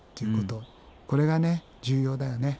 これが重要だよね。